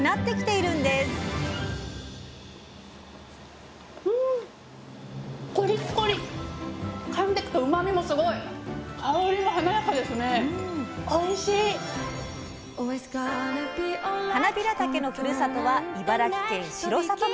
かんでくとはなびらたけのふるさとは茨城県城里町。